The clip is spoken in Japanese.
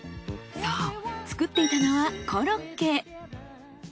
そう作っていたのはコロッケ！